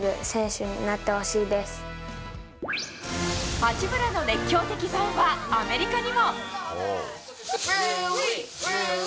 八村の熱狂的ファンはアメリカにも。